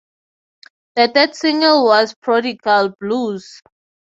The third single was "Prodigal Blues".